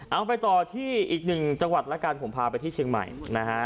เอาไปต่อที่อีกหนึ่งจังหวัดแล้วกันผมพาไปที่เชียงใหม่นะฮะ